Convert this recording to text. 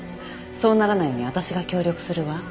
そうならないように私が協力するわ。